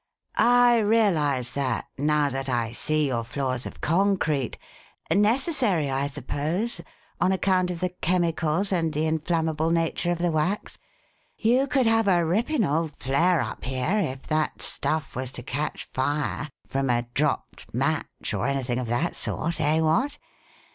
"I realize that, now that I see your floor's of concrete. Necessary, I suppose, on account of the chemicals and the inflammable nature of the wax? You could have a rippin' old flare up here if that stuff was to catch fire from a dropped match or anything of that sort eh, what?